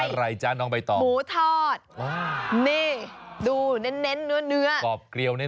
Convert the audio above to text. อะไรจ้ะน้องใบตอบ